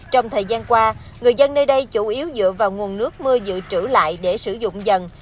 trong thời gian qua người dân nơi đây chủ yếu dựa vào nguồn nước mưa dự trữ lại để sử dụng dần